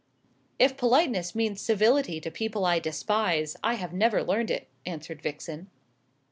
"If politeness means civility to people I despise, I have never learned it," answered Vixen.